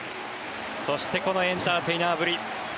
そしてこのエンターテイナーぶり。